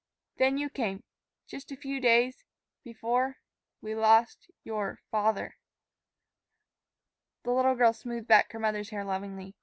Then you came, just a few days before we lost your father." The little girl smoothed back her mother's hair lovingly.